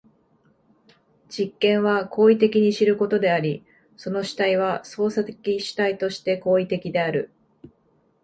実験は行為的に知ることであり、その主体は操作的主体として行為的である。